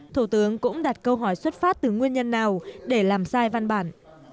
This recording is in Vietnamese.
thủ tướng cũng đặt câu hỏi xuất phát từ nguyên nhân nào để làm sai văn bản